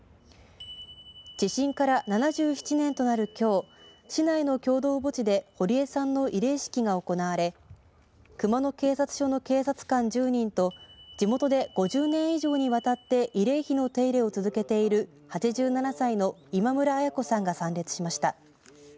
地震から７７年となるきょう市内の共同墓地で堀江さんの慰霊式が行われ熊野警察署の警察官１０人と地元で５０年以上にわたって慰霊碑の手入れを続けている８７歳の今村あや子さんが参列しました。